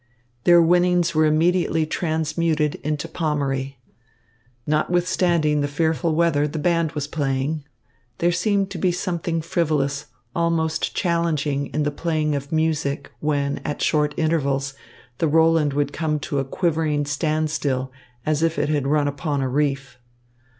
Their winnings were immediately transmuted into Pommery. Notwithstanding the fearful weather, the band was playing. There seemed to be something frivolous, almost challenging, in the playing of music when, at short intervals, the Roland would come to a quivering standstill, as if it had run upon a reef.